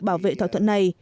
bảo vệ thỏa thuận này